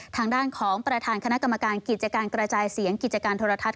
ทางด้านของประธานคณะกรรมการกิจการกระจายเสียงกิจการโทรทัศน